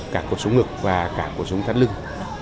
cả cột sống ngực và cả cuộc sống thắt lưng